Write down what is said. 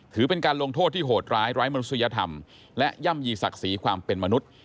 ถือเป็นการลงโทษที่โหดร้ายไร้มนุษยธรรมและย่ำยีศักดิ์ศรีความเป็นมนุษย์